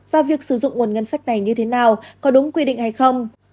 và việc sử dụng nguồn ngân sách này như thế nào có đúng quy định hay không